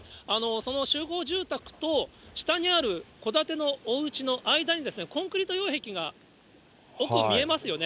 その集合住宅と、下にある戸建てのおうちの間にコンクリート擁壁が、奥、見えますよね。